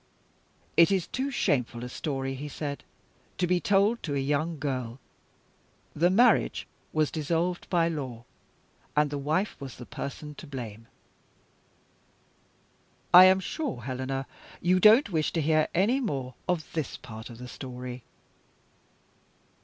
"It is too shameful a story," he said, "to be told to a young girl. The marriage was dissolved by law; and the wife was the person to blame. I am sure, Helena, you don't wish to hear any more of this part of the story."